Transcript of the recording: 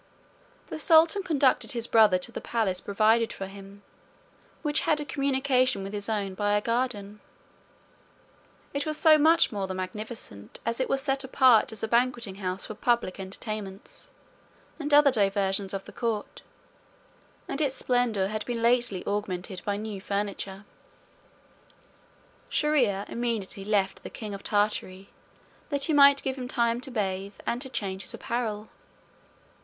The sultan conducted his brother to the palace provided for him, which had a communication with his own by a garden. It was so much the more magnificent as it was set apart as a banqueting house for public entertainments, and other diversions of the court, and its splendour had been lately augmented by new furniture. Shier ear immediately left the king of Tartary, that he might give him time to bathe, and to change his apparel.